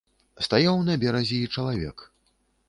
Стаяў на беразе і чалавек.